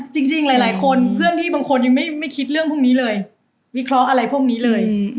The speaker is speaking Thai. จริงหลายคนเพื่อนพี่บางคนยังไม่คิดเรื่องพวกนี้เลยวิเคราะห์อะไรพวกนี้เลย